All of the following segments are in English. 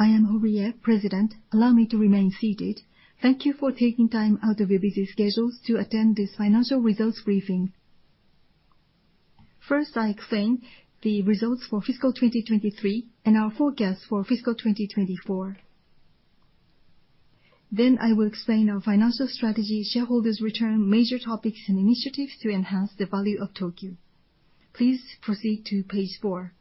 I am Masahiro Horie, President. Allow me to remain seated. Thank you for taking time out of your busy schedules to attend this financial results briefing. First, I explain the results for fiscal 2023 and our forecast for fiscal 2024. Then I will explain our financial strategy, shareholders' return, major topics, and initiatives to enhance the value of Tokyu. Please proceed to page four.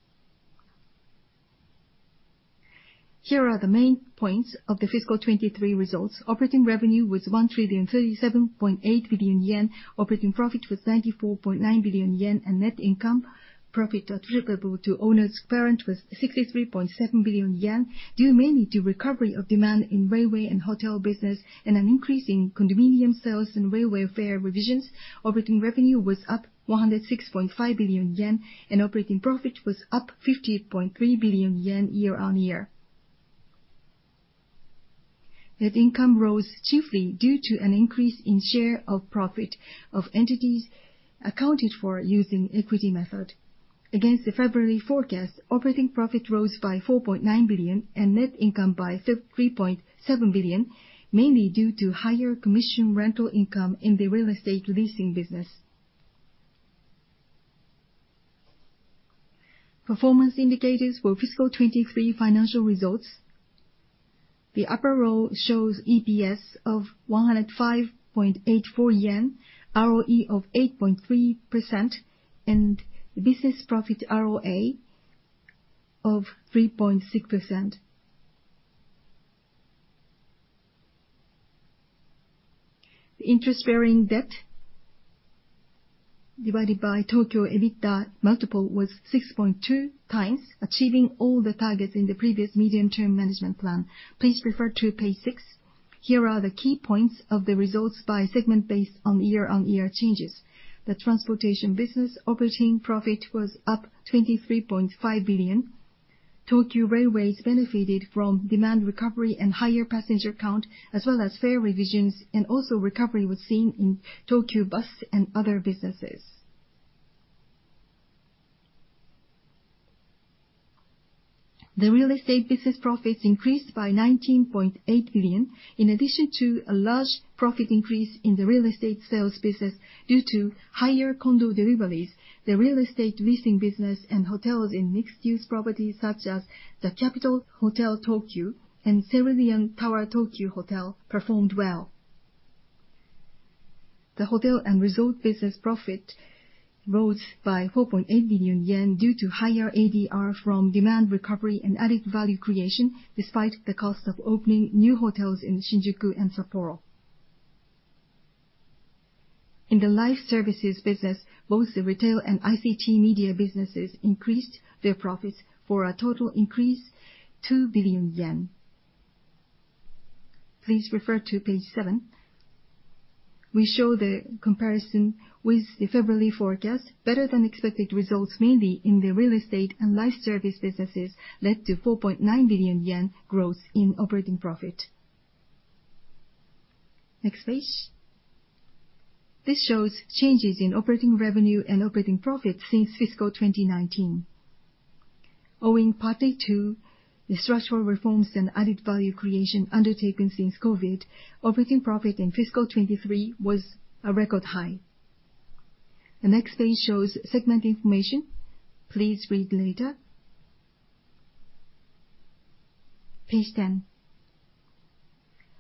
Here are the main points of the fiscal 2023 results: operating revenue was 1,037.8 billion yen, operating profit was 94.9 billion yen, and net income, profit attributable to owners' parent, was 63.7 billion yen, due mainly to recovery of demand in railway and hotel business and an increase in condominium sales and railway fare revisions. Operating revenue was up 106.5 billion yen, and operating profit was up 50.3 billion yen year-on-year. Net income rose chiefly due to an increase in share of profit of entities accounted for using equity method. Against the February forecast, operating profit rose by 4.9 billion and net income by 3.7 billion, mainly due to higher commission rental income in the real estate leasing business. Performance indicators for fiscal 2023 financial results. The upper row shows EPS of 105.84 yen, ROE of 8.3%, and business profit ROA of 3.6%. The interest-bearing debt divided by Tokyu EBITDA multiple was 6.2x, achieving all the targets in the previous medium-term management plan. Please refer to page six. Here are the key points of the results by segment based on year-on-year changes. The transportation business operating profit was up 23.5 billion. Tokyu Railways benefited from demand recovery and higher passenger count as well as fare revisions, and also recovery was seen in Tokyu Bus and other businesses. The real estate business profits increased by 19.8 billion. In addition to a large profit increase in the real estate sales business due to higher condo deliveries, the real estate leasing business and hotels in mixed-use properties such as the Capitol Hotel Tokyu and Cerulean Tower Tokyu Hotel performed well. The hotel and resort business profit rose by 4.8 billion yen due to higher ADR from demand recovery and added value creation despite the cost of opening new hotels in Shinjuku and Sapporo. In the live services business, both the retail and ICT media businesses increased their profits for a total increase of 2 billion yen. Please refer to page seven. We show the comparison with the February forecast: better-than-expected results mainly in the real estate and live service businesses led to 4.9 billion yen growth in operating profit. Next page. This shows changes in operating revenue and operating profit since fiscal 2019. Owing partly to the structural reforms and added value creation undertaken since COVID, operating profit in fiscal 2023 was a record high. The next page shows segment information. Please read later. Page 10.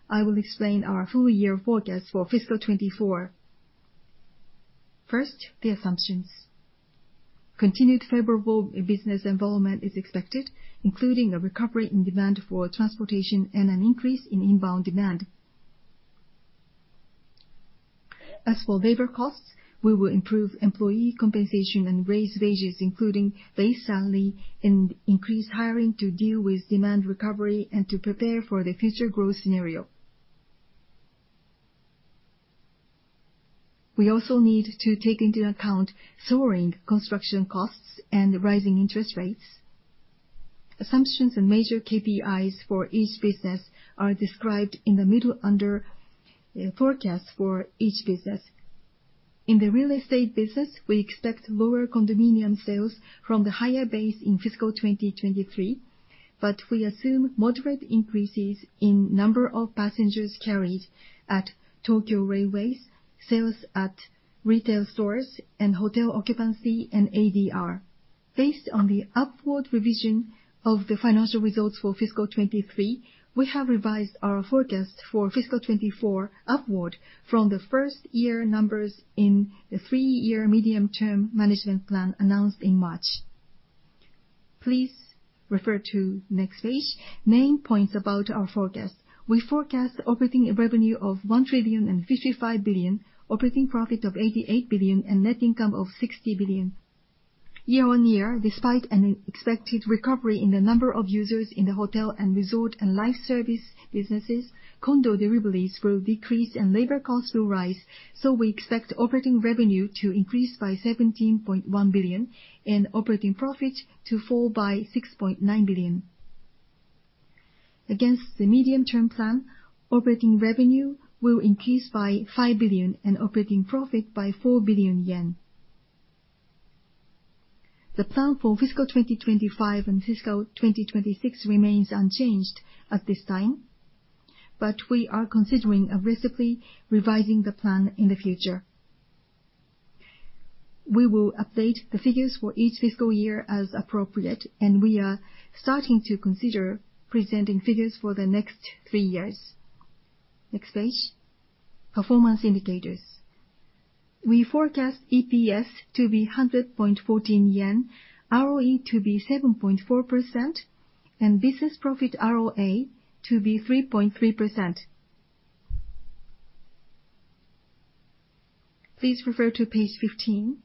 I will explain our full year forecast for fiscal 2024. First, the assumptions. Continued favorable business environment is expected, including a recovery in demand for transportation and an increase in inbound demand. As for labor costs, we will improve employee compensation and raise wages including base salary and increase hiring to deal with demand recovery and to prepare for the future growth scenario. We also need to take into account soaring construction costs and rising interest rates. Assumptions and major KPIs for each business are described in the middle under forecast for each business. In the real estate business, we expect lower condominium sales from the higher base in fiscal 2023, but we assume moderate increases in number of passengers carried at Tokyu Railways, sales at retail stores, and hotel occupancy and ADR. Based on the upward revision of the financial results for fiscal 2023, we have revised our forecast for fiscal 2024 upward from the first-year numbers in the three-year medium-term management plan announced in March. Please refer to next page. Main points about our forecast. We forecast operating revenue of 1,055 billion, operating profit of 88 billion, and net income of 60 billion. Year-over-year, despite an expected recovery in the number of users in the hotel and resort and live service businesses, condo deliveries will decrease and labor costs will rise, so we expect operating revenue to increase by 17.1 billion and operating profit to fall by 6.9 billion. Against the medium-term plan, operating revenue will increase by 5 billion and operating profit by 4 billion yen. The plan for fiscal 2025 and fiscal 2026 remains unchanged at this time, but we are considering aggressively revising the plan in the future. We will update the figures for each fiscal year as appropriate, and we are starting to consider presenting figures for the next three years. Next page. Performance indicators. We forecast EPS to be 100.14 yen, ROE to be 7.4%, and business profit ROA to be 3.3%. Please refer to page 15.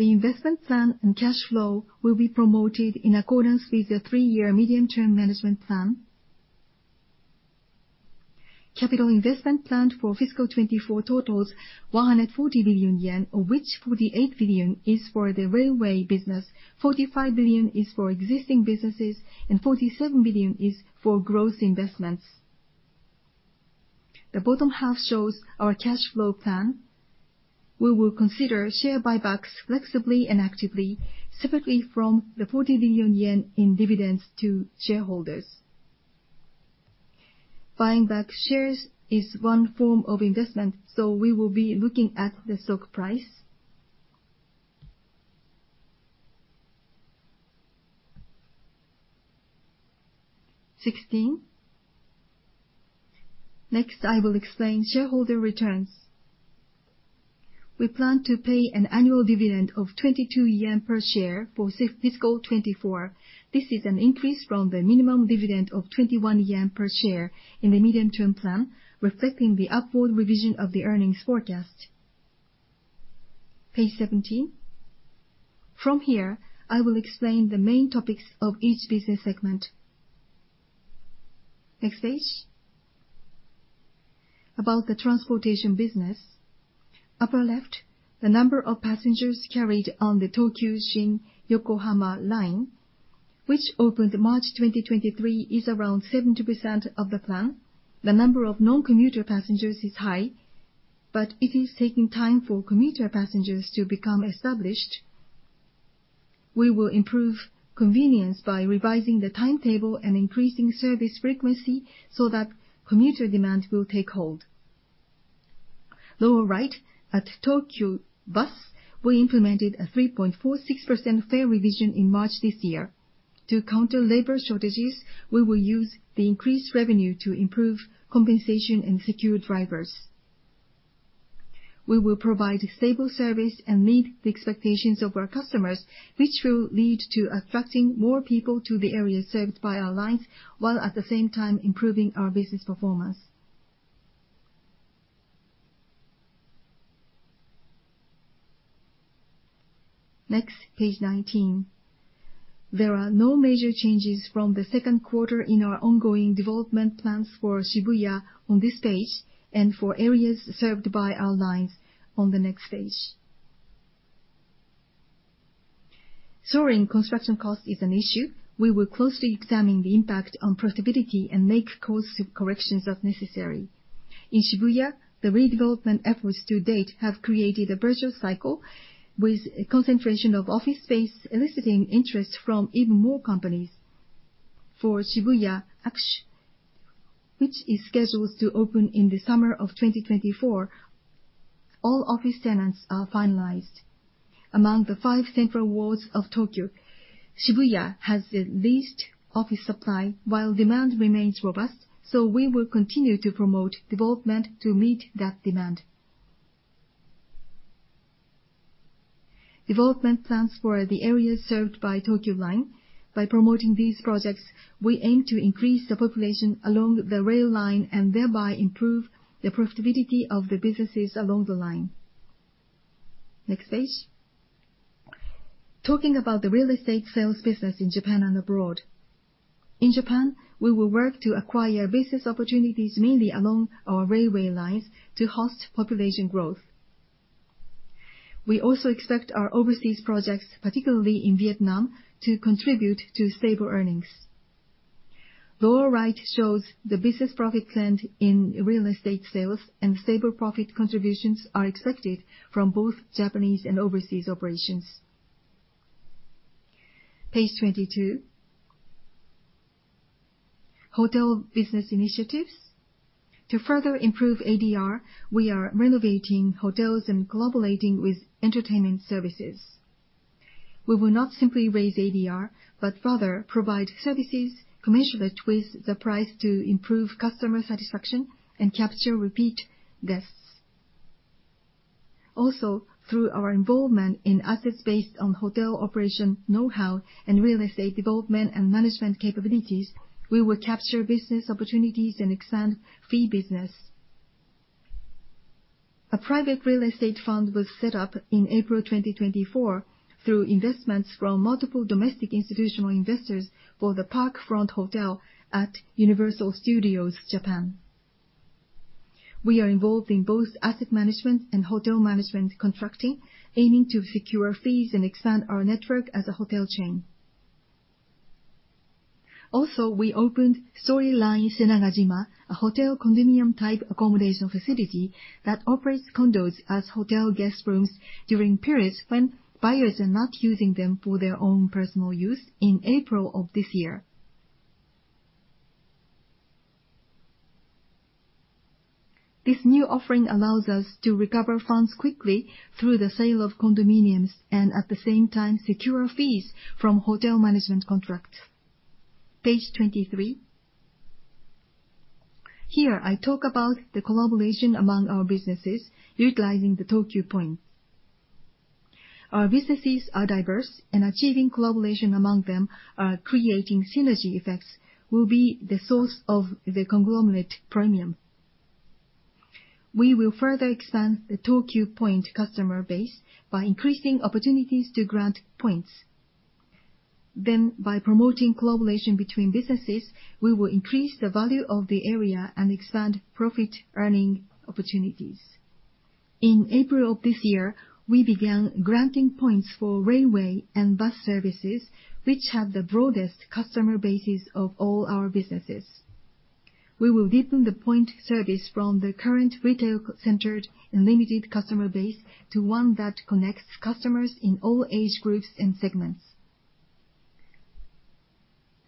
The investment plan and cash flow will be promoted in accordance with the three-year medium-term management plan. Capital investment planned for fiscal 2024 totals 140 billion yen, of which 48 billion is for the railway business, 45 billion is for existing businesses, and 47 billion is for growth investments. The bottom half shows our cash flow plan. We will consider share buybacks flexibly and actively, separately from the 40 billion yen in dividends to shareholders. Buying back shares is one form of investment, so we will be looking at the stock price. 16. Next, I will explain shareholder returns. We plan to pay an annual dividend of 22 yen per share for fiscal 2024. This is an increase from the minimum dividend of 21 yen per share in the medium-term plan, reflecting the upward revision of the earnings forecast. Page 17. From here, I will explain the main topics of each business segment. Next page. About the transportation business. Upper left, the number of passengers carried on the Tokyu Shin-Yokohama Line, which opened March 2023, is around 70% of the plan. The number of non-commuter passengers is high, but it is taking time for commuter passengers to become established. We will improve convenience by revising the timetable and increasing service frequency so that commuter demand will take hold. Lower right, at Tokyu Bus, we implemented a 3.46% fare revision in March this year. To counter labor shortages, we will use the increased revenue to improve compensation and secure drivers. We will provide stable service and meet the expectations of our customers, which will lead to attracting more people to the areas served by our lines while at the same time improving our business performance. Next, page 19. There are no major changes from the second quarter in our ongoing development plans for Shibuya on this page and for areas served by our lines on the next page. Soaring construction costs is an issue. We will closely examine the impact on profitability and make cost corrections as necessary. In Shibuya, the redevelopment efforts to date have created a virtual cycle with a concentration of office space eliciting interest from even more companies. For Shibuya AXSH, which is scheduled to open in the summer of 2024, all office tenants are finalized. Among the five central wards of Tokyo, Shibuya has the least office supply while demand remains robust, so we will continue to promote development to meet that demand. Development plans for the areas served by Tokyu line. By promoting these projects, we aim to increase the population along the rail line and thereby improve the profitability of the businesses along the line. Next page. Talking about the real estate sales business in Japan and abroad. In Japan, we will work to acquire business opportunities mainly along our railway lines to host population growth. We also expect our overseas projects, particularly in Vietnam, to contribute to stable earnings. Lower right shows the business profit trend in real estate sales, and stable profit contributions are expected from both Japanese and overseas operations. Page 22. Hotel business initiatives. To further improve ADR, we are renovating hotels and collaborating with entertainment services. We will not simply raise ADR but rather provide services commensurate with the price to improve customer satisfaction and capture repeat guests. Also, through our involvement in assets based on hotel operation know-how and real estate development and management capabilities, we will capture business opportunities and expand fee business. A private real estate fund was set up in April 2024 through investments from multiple domestic institutional investors for The Park Front Hotel at Universal Studios Japan. We are involved in both asset management and hotel management contracting, aiming to secure fees and expand our network as a hotel chain. Also, we opened STORYLINE SENAGAJIMA, a hotel condominium-type accommodation facility that operates condos as hotel guest rooms during periods when buyers are not using them for their own personal use in April of this year. This new offering allows us to recover funds quickly through the sale of condominiums and at the same time secure fees from hotel management contracts. Page 23. Here, I talk about the collaboration among our businesses utilizing the Tokyu Point. Our businesses are diverse, and achieving collaboration among them creating synergy effects will be the source of the conglomerate premium. We will further expand the Tokyu Point customer base by increasing opportunities to grant points. Then, by promoting collaboration between businesses, we will increase the value of the area and expand profit earning opportunities. In April of this year, we began granting points for railway and bus services, which have the broadest customer bases of all our businesses. We will deepen the point service from the current retail-centered and limited customer base to one that connects customers in all age groups and segments.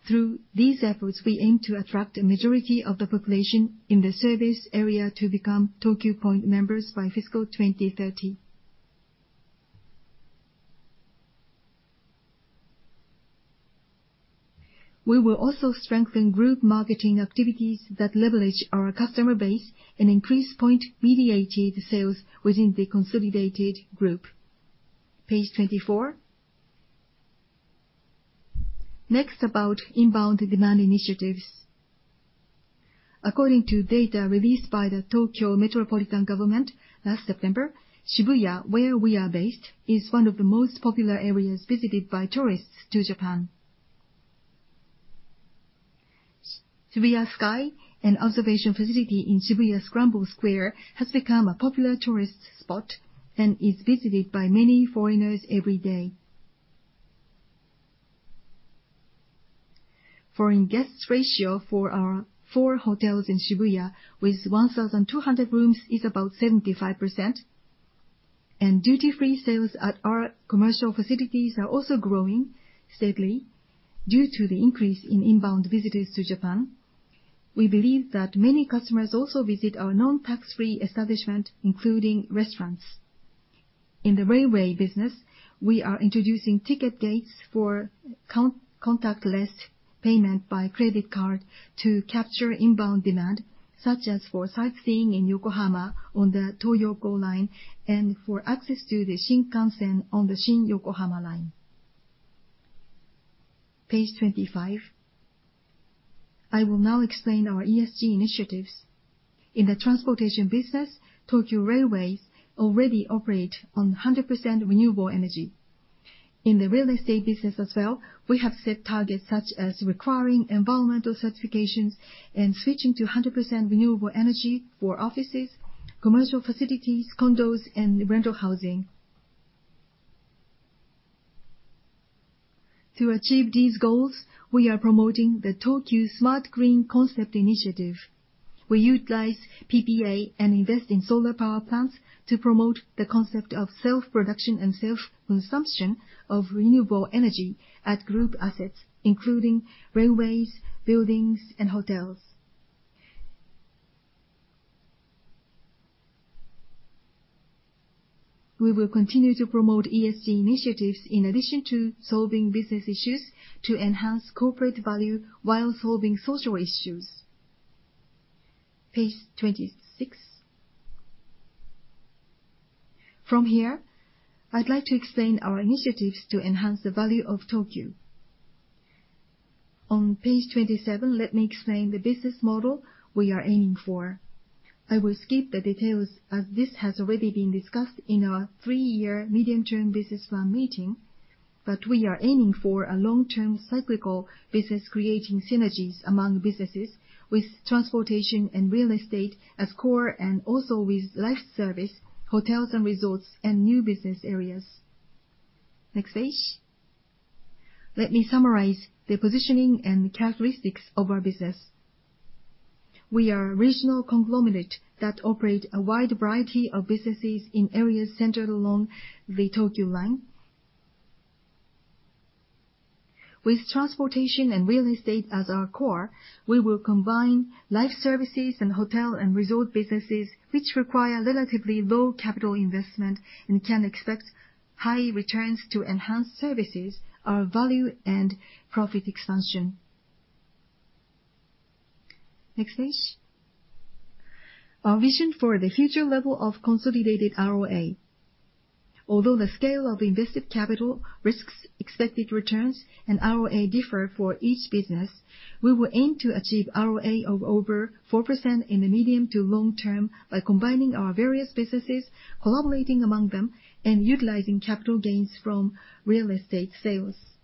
Through these efforts, we aim to attract a majority of the population in the service area to become Tokyu Point members by fiscal 2030. We will also strengthen group marketing activities that leverage our customer base and increase point-mediated sales within the consolidated group. Page 24. Next, about inbound demand initiatives. According to data released by the Tokyo Metropolitan Government last September, Shibuya, where we are based, is one of the most popular areas visited by tourists to Japan. Shibuya Sky and observation facility in Shibuya Scramble Square has become a popular tourist spot and is visited by many foreigners every day. Foreign guests ratio for our four hotels in Shibuya with 1,200 rooms is about 75%, and duty-free sales at our commercial facilities are also growing steadily due to the increase in inbound visitors to Japan. We believe that many customers also visit our non-tax-free establishment, including restaurants. In the railway business, we are introducing ticket gates for contactless payment by credit card to capture inbound demand, such as for sightseeing in Yokohama on the Toyoko Line and for access to the Shinkansen on the Shin-Yokohama Line. Page 25. I will now explain our ESG initiatives. In the transportation business, Tokyu Railways already operate on 100% renewable energy. In the real estate business as well, we have set targets such as requiring environmental certifications and switching to 100% renewable energy for offices, commercial facilities, condos, and rental housing. To achieve these goals, we are promoting the Tokyu Smart Green Concept. We utilize PPA and invest in solar power plants to promote the concept of self-production and self-consumption of renewable energy at group assets, including railways, buildings, and hotels. We will continue to promote ESG initiatives in addition to solving business issues to enhance corporate value while solving social issues. Page 26. From here, I'd like to explain our initiatives to enhance the value of Tokyo. On page 27, let me explain the business model we are aiming for. I will skip the details as this has already been discussed in our three-year medium-term business plan meeting, but we are aiming for a long-term cyclical business creating synergies among businesses with transportation and real estate as core and also with life service, hotels and resorts, and new business areas. Next page. Let me summarize the positioning and characteristics of our business. We are a regional conglomerate that operates a wide variety of businesses in areas centered along the Tokyu Line. With transportation and real estate as our core, we will combine life services and hotel and resort businesses, which require relatively low capital investment and can expect high returns to enhance services, our value, and profit expansion. Next page. Our vision for the future level of consolidated ROA. Although the scale of invested capital, risks, expected returns, and ROA differ for each business, we will aim to achieve ROA of over 4% in the medium to long term by combining our various businesses, collaborating among them, and utilizing capital gains from real estate sales.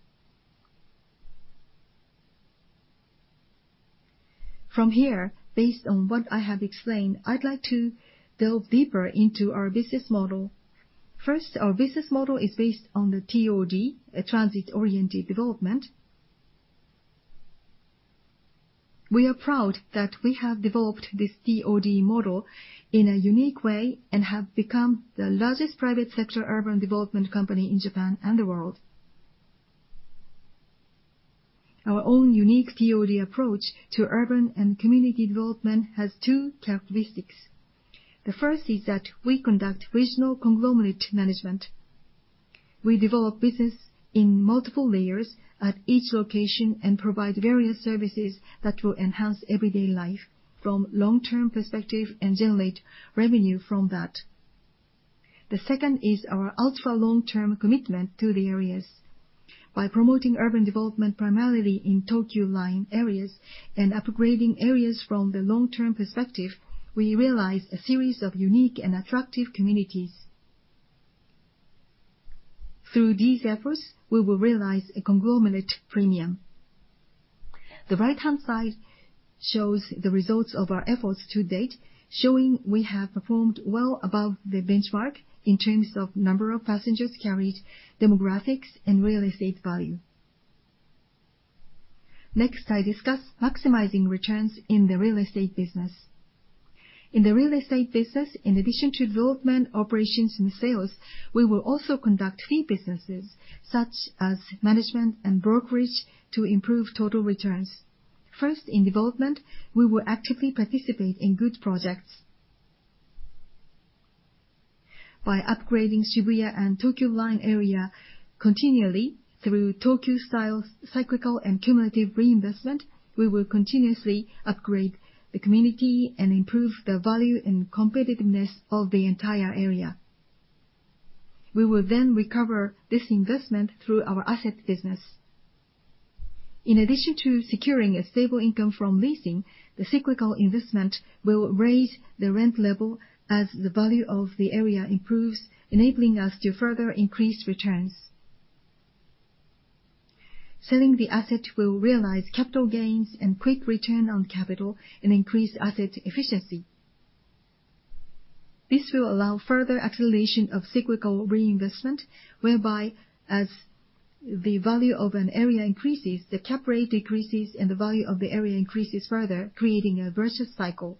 From here, based on what I have explained, I'd like to delve deeper into our business model. First, our business model is based on the TOD, a transit-oriented development. We are proud that we have developed this TOD model in a unique way and have become the largest private sector urban development company in Japan and the world. Our own unique TOD approach to urban and community development has two characteristics. The first is that we conduct regional conglomerate management. We develop business in multiple layers at each location and provide various services that will enhance everyday life from a long-term perspective and generate revenue from that. The second is our ultra-long-term commitment to the areas. By promoting urban development primarily in Tokyu Line areas and upgrading areas from the long-term perspective, we realize a series of unique and attractive communities. Through these efforts, we will realize a conglomerate premium. The right-hand side shows the results of our efforts to date, showing we have performed well above the benchmark in terms of number of passengers carried, demographics, and real estate value. Next, I discuss maximizing returns in the real estate business. In the real estate business, in addition to development, operations, and sales, we will also conduct fee businesses such as management and brokerage to improve total returns. First, in development, we will actively participate in good projects. By upgrading Shibuya and Tokyu Line area continually through Tokyu-style cyclical and cumulative reinvestment, we will continuously upgrade the community and improve the value and competitiveness of the entire area. We will then recover this investment through our asset business. In addition to securing a stable income from leasing, the cyclical investment will raise the rent level as the value of the area improves, enabling us to further increase returns. Selling the asset will realize capital gains and quick return on capital and increase asset efficiency. This will allow further acceleration of cyclical reinvestment whereby, as the value of an area increases, the Cap Rate decreases, and the value of the area increases further, creating a virtual cycle.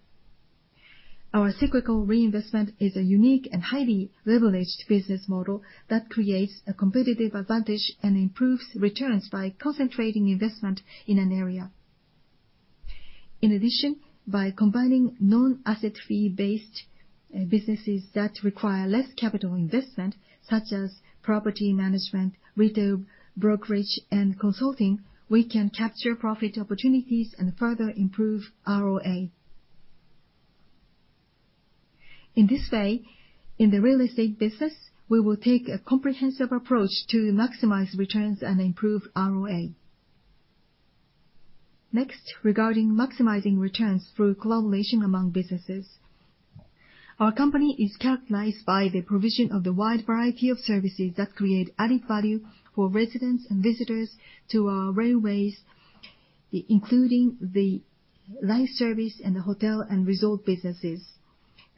Our cyclical reinvestment is a unique and highly leveraged business model that creates a competitive advantage and improves returns by concentrating investment in an area. In addition, by combining non-asset fee-based businesses that require less capital investment, such as property management, retail, brokerage, and consulting, we can capture profit opportunities and further improve ROA. In this way, in the real estate business, we will take a comprehensive approach to maximize returns and improve ROA. Next, regarding maximizing returns through collaboration among businesses. Our company is characterized by the provision of the wide variety of services that create added value for residents and visitors to our railways, including the life service and the hotel and resort businesses.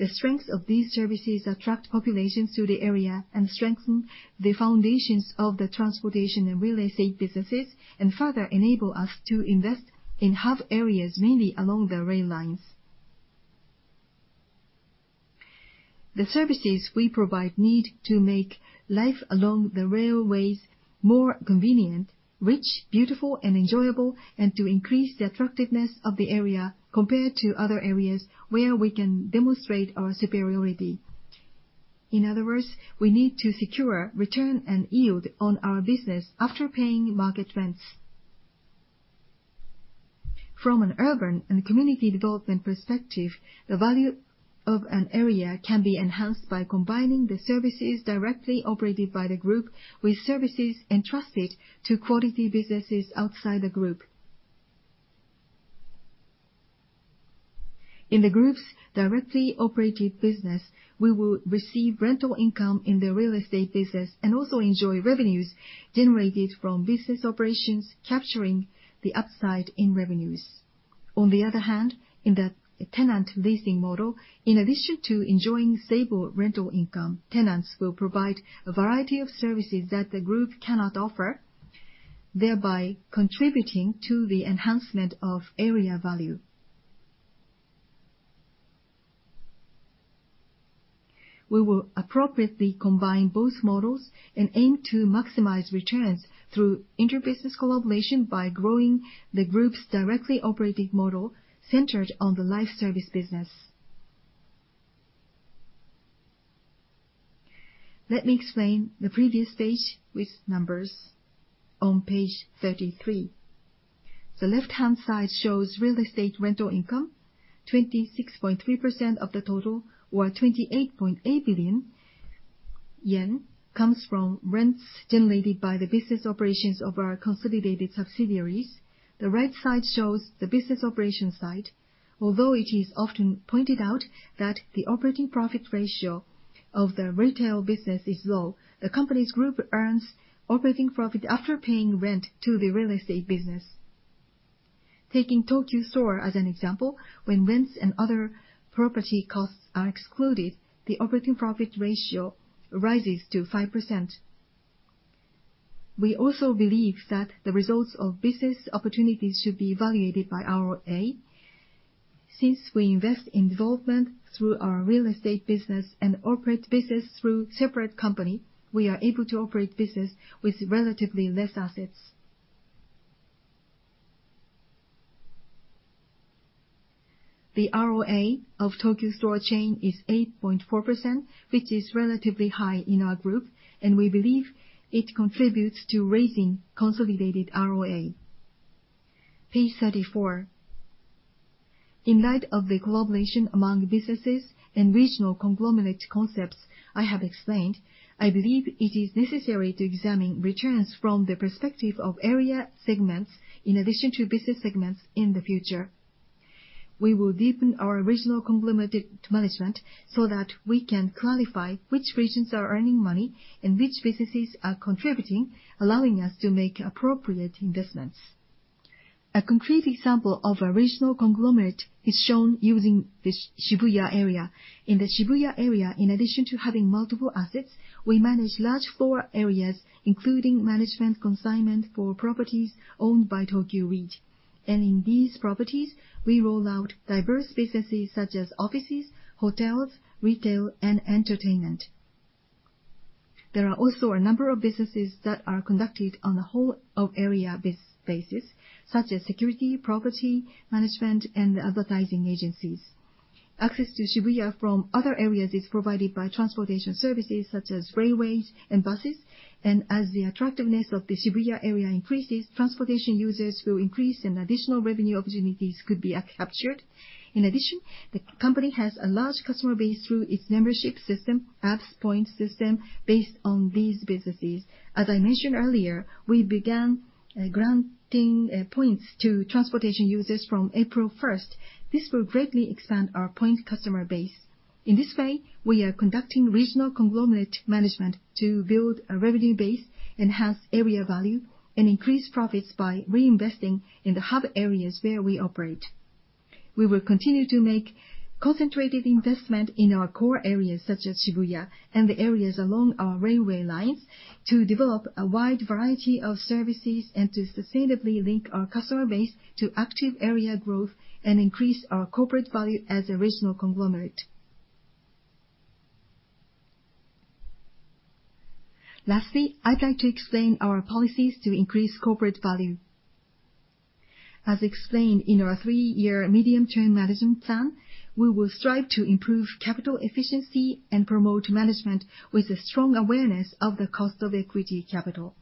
The strengths of these services attract populations to the area and strengthen the foundations of the transportation and real estate businesses and further enable us to invest in hub areas mainly along the rail lines. The services we provide need to make life along the railways more convenient, rich, beautiful, and enjoyable, and to increase the attractiveness of the area compared to other areas where we can demonstrate our superiority. In other words, we need to secure return and yield on our business after paying market rents. From an urban and community development perspective, the value of an area can be enhanced by combining the services directly operated by the group with services entrusted to quality businesses outside the group. In the group's directly operated business, we will receive rental income in the real estate business and also enjoy revenues generated from business operations, capturing the upside in revenues. On the other hand, in the tenant leasing model, in addition to enjoying stable rental income, tenants will provide a variety of services that the group cannot offer, thereby contributing to the enhancement of area value. We will appropriately combine both models and aim to maximize returns through interbusiness collaboration by growing the group's directly operated model centered on the life service business. Let me explain the previous page with numbers on page 33. The left-hand side shows real estate rental income. 26.3% of the total, or 28.8 billion yen, comes from rents generated by the business operations of our consolidated subsidiaries. The right side shows the business operation side. Although it is often pointed out that the operating profit ratio of the retail business is low, the company's group earns operating profit after paying rent to the real estate business. Taking Tokyu Store as an example, when rents and other property costs are excluded, the operating profit ratio rises to 5%. We also believe that the results of business opportunities should be evaluated by ROA. Since we invest in development through our real estate business and operate business through a separate company, we are able to operate business with relatively less assets. The ROA of Tokyu Store Chain is 8.4%, which is relatively high in our group, and we believe it contributes to raising consolidated ROA. Page 34. In light of the collaboration among businesses and regional conglomerate concepts I have explained, I believe it is necessary to examine returns from the perspective of area segments in addition to business segments in the future. We will deepen our regional conglomerate management so that we can clarify which regions are earning money and which businesses are contributing, allowing us to make appropriate investments. A concrete example of a regional conglomerate is shown using the Shibuya area. In the Shibuya area, in addition to having multiple assets, we manage large floor areas, including management consignment for properties owned by Tokyu REIT. In these properties, we roll out diverse businesses such as offices, hotels, retail, and entertainment. There are also a number of businesses that are conducted on a whole-area basis, such as security, property management, and advertising agencies. Access to Shibuya from other areas is provided by transportation services such as railways and buses. As the attractiveness of the Shibuya area increases, transportation users will increase, and additional revenue opportunities could be captured. In addition, the company has a large customer base through its membership system, Tokyu Point system, based on these businesses. As I mentioned earlier, we began granting points to transportation users from April 1st. This will greatly expand our point customer base. In this way, we are conducting regional conglomerate management to build a revenue base, enhance area value, and increase profits by reinvesting in the hub areas where we operate. We will continue to make concentrated investment in our core areas, such as Shibuya and the areas along our railway lines, to develop a wide variety of services and to sustainably link our customer base to active area growth and increase our corporate value as a regional conglomerate. Lastly, I'd like to explain our policies to increase corporate value. As explained in our three-year medium-term management plan, we will strive to improve capital efficiency and promote management with a strong awareness of the cost of equity capital.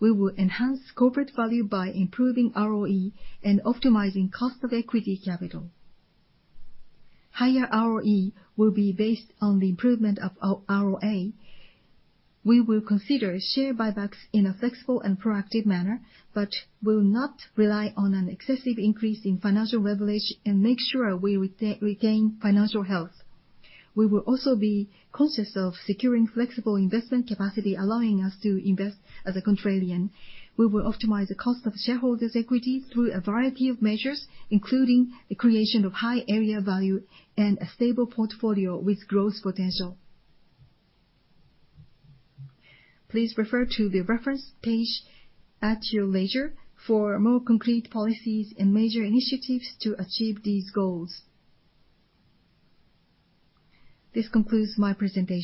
We will enhance corporate value by improving ROE and optimizing cost of equity capital. Higher ROE will be based on the improvement of ROA. We will consider share buybacks in a flexible and proactive manner but will not rely on an excessive increase in financial leverage and make sure we retain financial health. We will also be conscious of securing flexible investment capacity, allowing us to invest as a contrarian. We will optimize the cost of shareholders' equity through a variety of measures, including the creation of high area value and a stable portfolio with growth potential. Please refer to the reference page at your leisure for more concrete policies and major initiatives to achieve these goals. This concludes my presentation.